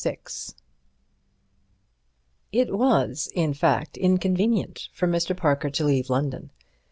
VI It was, in fact, inconvenient for Mr. Parker to leave London.